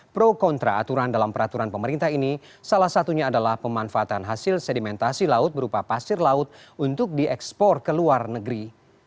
pro kontra aturan dalam peraturan pemerintah ini salah satunya adalah pemanfaatan hasil sedimentasi laut berupa pasir laut untuk diekspor ke luar negeri